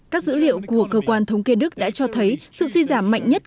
các dữ liệu của cơ quan thống kê đức đã cho thấy sự suy giảm mạnh nhất